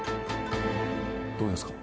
どうですか？